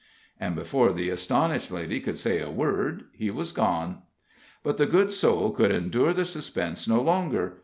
And before the astonished lady could say a word, he was gone. But the good soul could endure the suspense no longer.